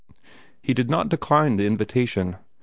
He did not decline the invitation.